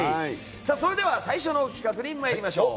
それでは最初の企画に参りましょう。